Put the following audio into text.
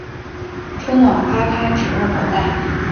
春暖花开指日可待